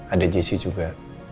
ada jessy juga